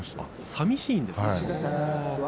さみしいんですか。